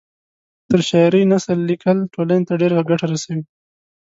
تر شاعرۍ نثر لیکل ټولنۍ ته ډېره ګټه رسوي